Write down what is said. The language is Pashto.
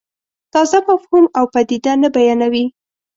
تازه مفهوم او پدیده نه بیانوي.